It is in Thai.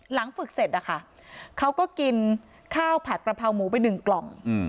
ฝึกเสร็จนะคะเขาก็กินข้าวผัดกระเพราหมูไปหนึ่งกล่อง